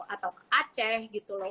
atau ke aceh gitu loh